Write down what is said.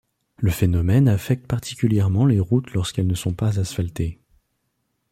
Le phénomène affecte particulièrement les routes lorsqu'elles ne sont pas asphaltées.